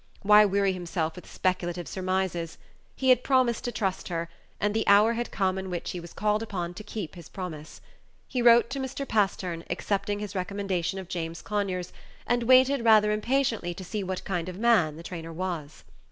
why weary himself with speculative surmises? he had promised to trust her, and the hour had come in which he was called upon to keep his promise. He wrote to Mr. Pastern, accepting his recommendation Page 76 of James Conyers, and waited rather impatiently to see what kind of man the trainer was.